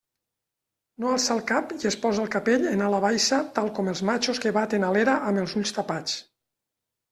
No alça el cap i es posa el capell en ala baixa tal com els matxos que baten a l'era amb els ulls tapats.